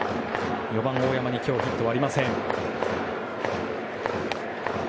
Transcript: ４番、大山に今日ヒットはありません。